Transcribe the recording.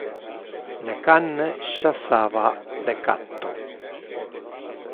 Le can chassava le catto.